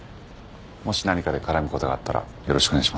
もし何かで絡むことがあったらよろしくお願いします。